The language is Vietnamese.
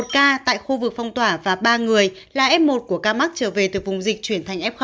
một ca tại khu vực phong tỏa và ba người là f một của ca mắc trở về từ vùng dịch chuyển thành f